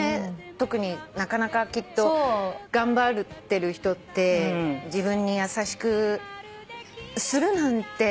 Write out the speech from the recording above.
特になかなかきっと頑張ってる人って自分に優しくするなんて。